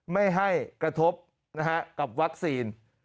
ไม่ให้กระทบกับวัคซีน